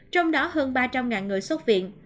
trong đó hơn ba trăm linh người xuất viện